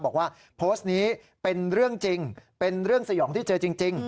บอกว่าโพสต์นี้เป็นเรื่องจริงเป็นเรื่องสยองที่เจอจริง